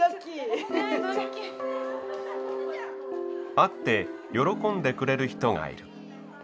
会って喜んでくれる人がいる。